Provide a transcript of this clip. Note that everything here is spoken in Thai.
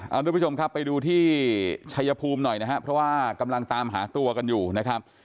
เอาทุกผู้ชมครับไปดูที่ชัยภูมิหน่อยนะครับเพราะว่ากำลังตามหาตัวกันอยู่นะครับ